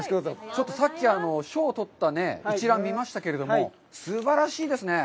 ちょっとさっき賞を取った一覧見ましたけれども、すばらしいですね！